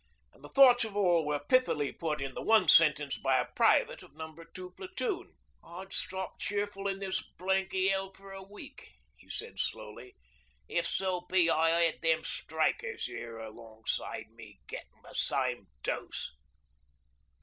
And the thoughts of all were pithily put in the one sentence by a private of No. 2 Platoon. 'I'd stop cheerful in this blanky 'ell for a week,' he said slowly, 'if so be I 'ad them strikers 'ere alongside me gettin' the same dose.'